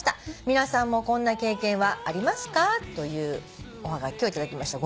「皆さんもこんな経験はありますか？」というおはがきを頂きました。